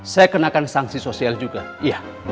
saya kenakan sanksi sosial juga iya